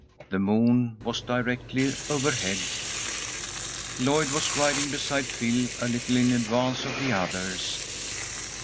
The moon was directly overhead. Lloyd was riding beside Phil a little in advance of the others.